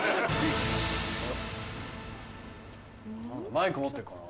マイク持ってるかな？